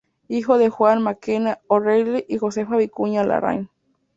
Hijo de Juan Mackenna O'Reilly y Josefa Vicuña Larraín.